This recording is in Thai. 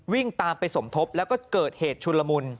วิ่งตามไปสมทบแล้วก็เกิดเหตุชุนละมุน